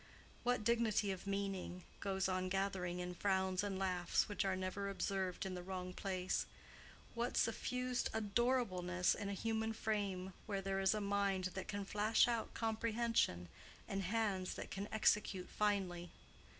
What dignity of meaning goes on gathering in frowns and laughs which are never observed in the wrong place; what suffused adorableness in a human frame where there is a mind that can flash out comprehension and hands that can execute finely!